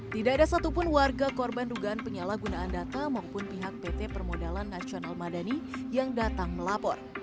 tidak ada satupun warga korban dugaan penyalahgunaan data maupun pihak pt permodalan nasional madani yang datang melapor